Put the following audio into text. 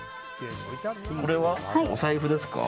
これはお財布ですか？